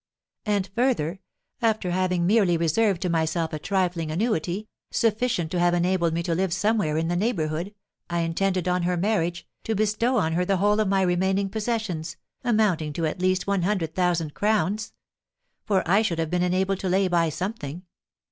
And further, after having merely reserved to myself a trifling annuity, sufficient to have enabled me to live somewhere in the neighbourhood, I intended, on her marriage, to bestow on her the whole of my remaining possessions, amounting to at least one hundred thousand crowns; for I should have been enabled to lay by something.